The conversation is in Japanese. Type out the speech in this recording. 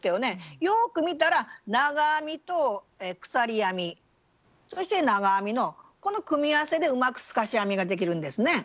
よく見たら長編みと鎖編みそして長編みのこの組み合わせでうまく透かし編みができるんですね。